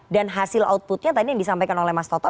dan hasil outputnya tadi yang disampaikan oleh mas toto